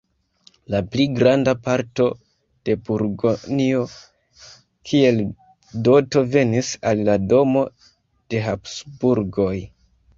La pli granda parto de Burgonjo kiel doto venis al la domo de Habsburgoj.